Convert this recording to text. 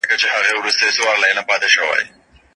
تر ټولو وړاندې خپله علمي مسله وټاکئ.